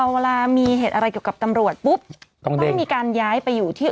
เอาเวลามีเหตุอะไรเกี่ยวกับตำรวจปุ๊บต้องมีการย้ายไปอยู่ที่